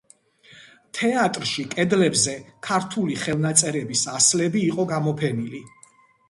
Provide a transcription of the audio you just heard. თეატრში კედლებზე ქართული ხელნაწერების ასლები იყო გამოფენილი.